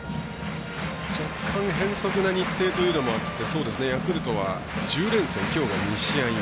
若干変則な日程ということもあってヤクルトは１０連戦、きょう２試合目。